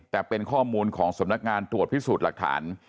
แต่เป็นข้อมูลของสำนักงานตรวจพิสูจน์หลักฐาน